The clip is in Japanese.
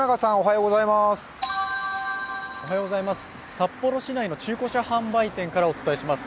札幌市内の中古車販売店からお伝えします。